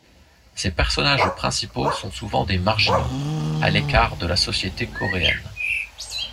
Ses personnages principaux sont souvent des marginaux, à l’écart de la société coréenne.